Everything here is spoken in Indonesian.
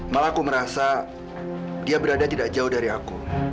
malah aku merasa dia berada tidak jauh dari aku